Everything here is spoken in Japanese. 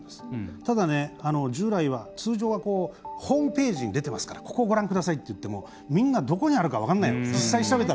ただ通常は、ホームページに出てますからここをご覧くださいといってもみんな、どこにあるか分からない。